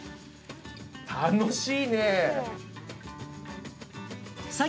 楽しいね！